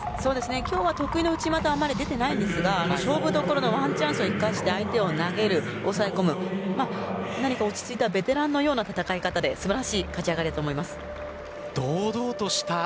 今日は得意の内股あまり出ていないんですが勝負どころのワンチャンスを生かして相手を投げる、抑え込む何か落ち着いたベテランのような戦い方で素晴らしい勝ち上がりだと堂々とした